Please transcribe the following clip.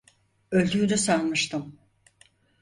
Öldüğünü sanmıştım.